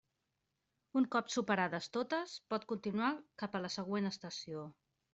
Un cop superades totes, pot continuar cap a la següent estació.